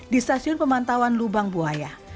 di stasiun pemantauan lubang buaya